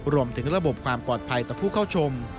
รวมถึงระบบความปลอดภัยต่อผู้เข้าชม